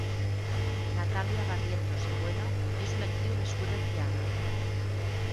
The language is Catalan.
Natàlia Barrientos i Bueno és una actriu nascuda a Tiana.